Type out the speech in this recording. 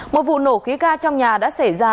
một vụ nổ khí ga trong nhà đã xảy ra